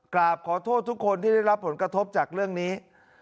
กราบขอโทษทุกคนที่ได้รับผลกระทบจากเรื่องนี้